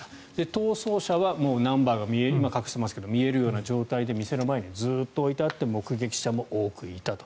逃走車は今は隠していますがナンバーが見えるような状態で店の前にずっと置いてあって目撃者も多くいたと。